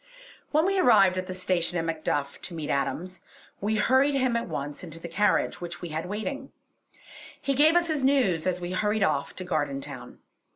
When we arrived at the station at Macduff to meet Adams, we hurried him at once into the carriage which we had waiting; he gave us his news as we hurried off to Gardentown.